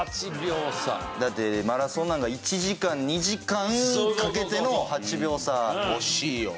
だってマラソンなんか１時間２時間かけての８秒差。